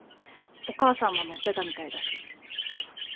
お母さんも乗ってたみたいだし。